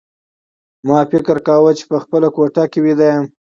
ما فکر کاوه چې په خپله کوټه کې ویده یم